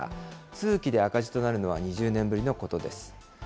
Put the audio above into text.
通期で赤字となるのは２０年ぶりのことです。